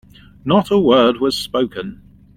Not a word was spoken.